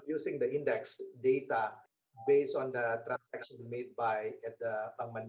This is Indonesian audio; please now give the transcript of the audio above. lebih tinggi daripada perangkat perangkat perangkat